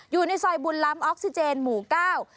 อยู่ในซอยบุญล้ำออกซิเจนหมู่เก้า